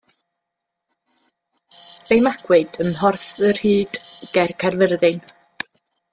Fe'i magwyd ym Mhorthyrhyd ger Caerfyrddin.